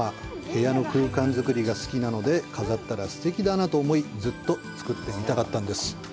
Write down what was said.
部屋の空間作りが好きなので、飾ったらすてきだなと思い、ずっと作ってみたかったんです。